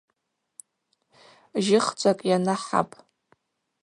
Жьыхчӏвакӏ йаныхӏапӏ.